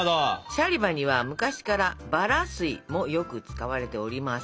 シャリバには昔からバラ水もよく使われております。